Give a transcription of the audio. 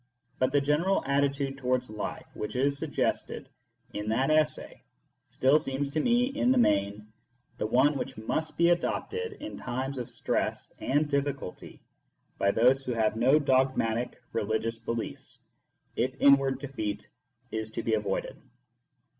But the general attitude towards life which is suggested in that essay still seems to me, in the main, the one which must be adopted in times of stress and difficulty by those who have no dogmatic religious beliefs, if inward defeat is to be avoided.